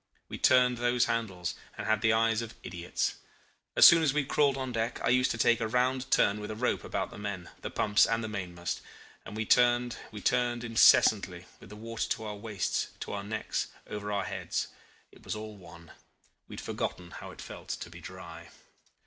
We turned those handles, and had the eyes of idiots. As soon as we had crawled on deck I used to take a round turn with a rope about the men, the pumps, and the mainmast, and we turned, we turned incessantly, with the water to our waists, to our necks, over our heads. It was all one. We had forgotten how it felt to be dry.